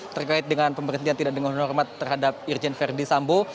terkait dengan pemberhentian tidak dengan hormat terhadap irjen verdi sambo